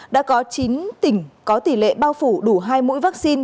đã có chín tỉnh có tỷ lệ bao phủ đủ hai mũi vaccine